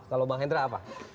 kalau bang hendra apa